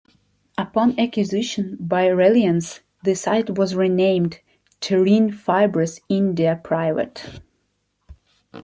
Upon acquisition by Reliance, the site was renamed Terene Fibres India Pvt.